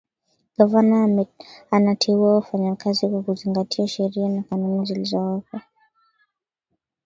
gavana anateua wafanyakazi kwa kuzingatia sheria na kanuni zilizowekwa